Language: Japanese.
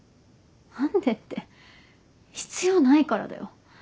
何でって必要ないからだよ。